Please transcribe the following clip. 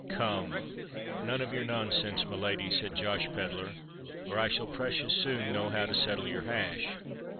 "Come—none of your nonsense, my lady," said Josh Pedler; "or I shall precious soon know how to settle your hash.